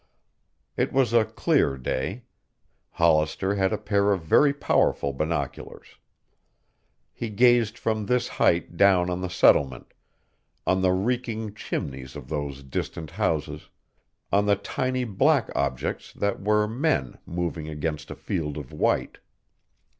It was a clear day. Hollister had a pair of very powerful binoculars. He gazed from this height down on the settlement, on the reeking chimneys of those distant houses, on the tiny black objects that were men moving against a field of white.